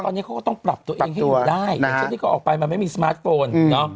แล้วตอนนี้เขาก็ต้องปรับตัวเองให้อยู่ได้จนที่เขาออกไปมันไม่มีสมาร์ทโฟน